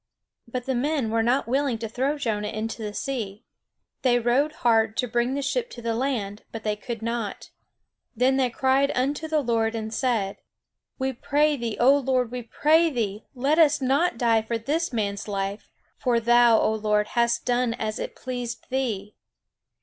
But the men were not willing to throw Jonah into the sea. They rowed hard to bring the ship to the land, but they could not. Then they cried unto the Lord, and said: "We pray thee, O Lord, we pray thee, let us not die for this man's life; for thou, O Lord, hast done as it pleased thee."